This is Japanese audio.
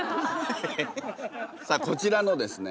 さあこちらのですね